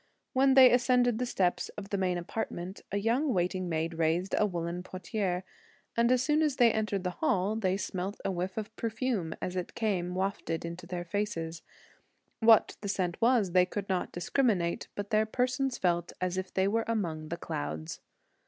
When they ascended the steps of the main apartment, a young waiting maid raised a red woollen portière, and as soon as they entered the hall, they smelt a whiff of perfume as it came wafted into their faces: what the scent was they could not discriminate; but their persons felt as if they were among the clouds.